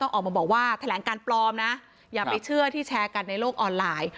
ออกมาบอกว่าแถลงการปลอมนะอย่าไปเชื่อที่แชร์กันในโลกออนไลน์